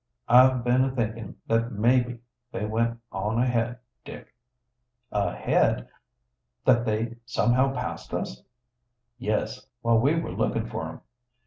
"I've been a thinking that maybe they went on ahead, Dick." "Ahead? That they somehow passed us?" "Yes; while we were lookin' for 'em.